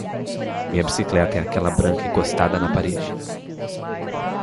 Minha bicicleta é aquela branca encostada na parede.